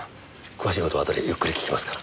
詳しい事はあとでゆっくり聞きますから。